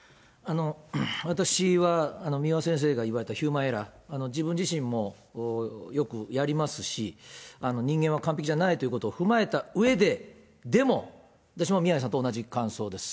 私は三輪先生が言われたヒューマンエラー、自分自身もよくやりますし、人間は完璧じゃないということを踏まえたうえで、でも、私も宮根さんと同じ感想です。